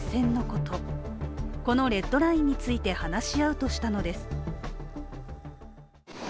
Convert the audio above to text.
このレッドラインについて話し合うとしたのです。